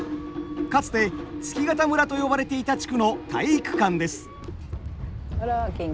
かつて月潟村と呼ばれていた地区の体育館です。